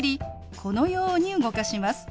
このように動かします。